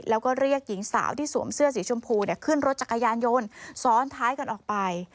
แล้วก็เรียกหญิงสาวที่สวมเสื้อสีชมพูขึ้นรถจักรยานยนต์ซ้อนท้ายกันออกไป